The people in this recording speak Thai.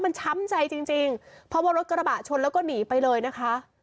มันช้ำใจจริงจริงเพราะว่ารถกระบะชนแล้วก็หนีไปเลยนะคะ